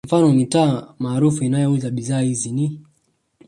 Mfano mitaa maarufu inayouza bidhaa hizi ni